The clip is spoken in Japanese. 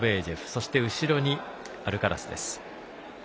そして、後ろにアルカラスです。